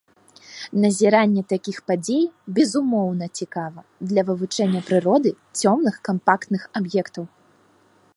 Назіранне такіх падзей безумоўна цікава для вывучэння прыроды цёмных кампактных аб'ектаў.